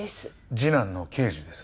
次男の敬二です